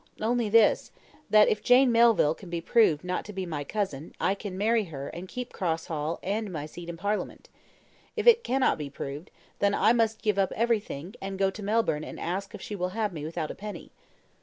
"Only this, that if Jane Melville can be proved not to be my cousin, I can marry her and keep Cross Hall and my seat in Parliament. If it cannot be proved, then I must give up everything, and go to Melbourne and ask if she will have me without a penny."